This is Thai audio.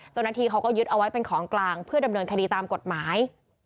เจ้าหน้าที่เขาก็ยึดเอาไว้เป็นของกลางเพื่อดำเนินคดีตามกฎหมาย